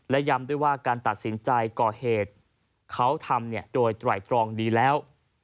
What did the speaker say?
และย้ำด้วยว่าการตัดสินใจก่อเหตุเขาทำโดยไตรตรองดีแล้ว